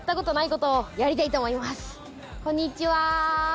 こんにちは。